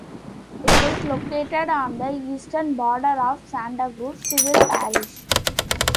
It is located on the eastern border of Santa Cruz civil parish.